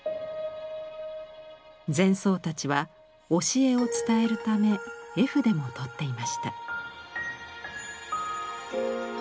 禅僧たちは教えを伝えるため絵筆も執っていました。